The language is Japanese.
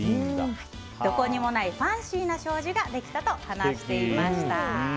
どこにもないファンシーな障子ができたと話していました。